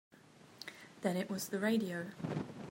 Then it was the radio.